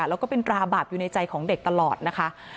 แล้วก็เป็นตราบาปอยู่ในใจของเด็กตลอดนะคะ